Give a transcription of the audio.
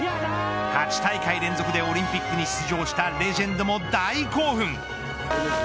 ８大会連続でオリンピックに出場したレジェンドも大興奮。